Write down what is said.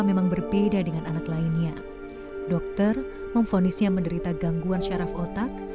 memang berbeda dengan anak lainnya dokter memfonisnya menderita gangguan syaraf otak